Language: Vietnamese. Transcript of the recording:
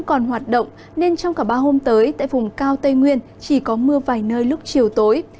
còn hoạt động nên trong cả ba hôm tới tại vùng cao tây nguyên chỉ có mưa vài nơi lúc chiều tối